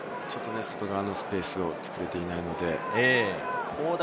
外側のスペースを作れていないので。